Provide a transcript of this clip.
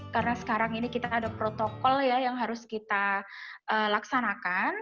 karena sekarang ini kita ada protokol yang harus kita laksanakan